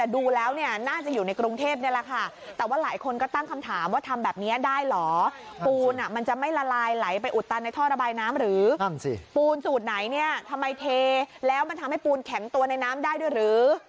คุณสูตรไหนทำไมเทแล้วมันทำให้ปูนแข็งตัวในน้ำได้ด้วยหรือ